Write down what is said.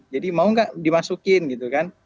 jadi mau nggak dimasukin gitu kan